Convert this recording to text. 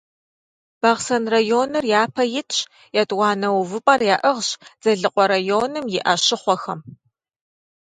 Бахъсэн районыр япэ итщ, етӀуанэ увыпӀэр яӀыгъщ Дзэлыкъуэ районым и Ӏэщыхъуэхэм.